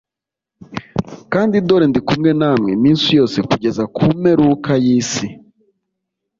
Kandi dore ndi kumwe namwe iminsi yose kugeza ku mperuka y’isi